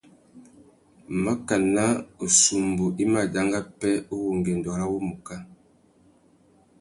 Makana « ussumbu i má danga pêh uwú ungüêndô râ wumuká ».